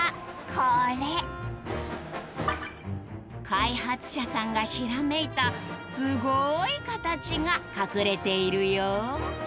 開発者さんがひらめいた「すごいカタチ」が隠れているよ